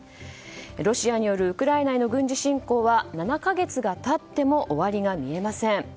ロシアによるウクライナへの軍事侵攻は７か月が経っても終わりが見えません。